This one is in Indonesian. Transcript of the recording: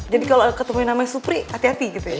jadi kalau ketemu namanya supri hati hati gitu ya